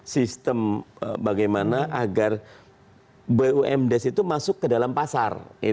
sistem bagaimana agar bumdes itu masuk ke dalam pasar